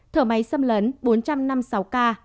thở máy xâm lấn bốn trăm năm mươi sáu ca